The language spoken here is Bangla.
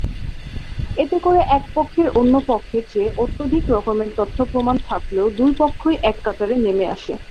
এতে করে এক পক্ষের অন্য পক্ষের চেয়ে অত্যধিক রকমের তথ্যপ্রমাণ থাকলেও দুই পক্ষই এক কাতারে নেমে আসে।